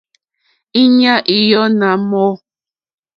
Íɲá í yɔ̀ɔ́ nà mɔ̂.